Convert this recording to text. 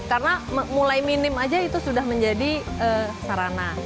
karena mulai minim aja itu sudah menjadi sarana